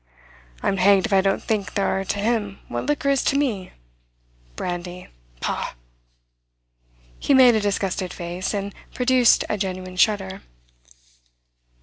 "I'm hanged if I don't think they are to him what liquor is to me. Brandy pah!" He made a disgusted face, and produced a genuine shudder.